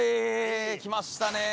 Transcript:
来ましたね。